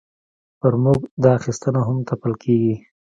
پر موږ دا اخیستنه هم تپل کېږي.